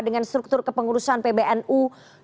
dengan struktur kepengurusan pbnu